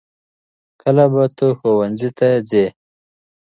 کله به ته ښوونځي ته ځې؟